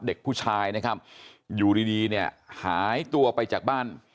เด็กผู้ชายนะครับอยู่ดีดีเนี่ยหายตัวไปจากบ้าน